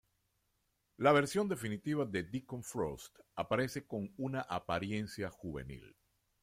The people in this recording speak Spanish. La versión definitiva de Deacon Frost aparece con una apariencia juvenil.